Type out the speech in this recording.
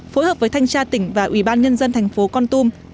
phối hợp với thanh tra tỉnh và ủy ban nhân dân thành phố con tum